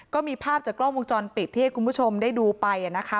ก็มีภาพจากกล้องวงจรปิดที่ให้คุณผู้ชมได้ดูไปนะคะ